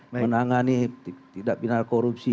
menangani tidak bina korupsi